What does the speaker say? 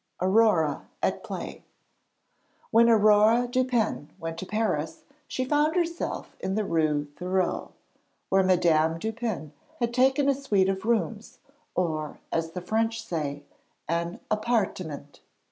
AURORE AT PLAY When Aurore Dupin went to Paris she found herself in the Rue Thiroux, where Madame Dupin had taken a suite of rooms, or, as the French say, an 'appartement.'